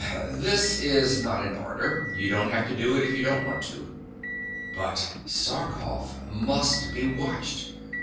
"This is not an order. You don't have to do it if you don't want to. But Sarkoff must be watched.